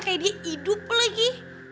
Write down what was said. kayak dia hidup lagi